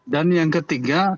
dan yang ketiga